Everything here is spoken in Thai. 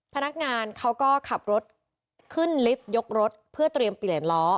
พนักงานเขาก็ขับรถขึ้นลิฟต์ยกรถเพื่อเตรียมเปลี่ยนล้อ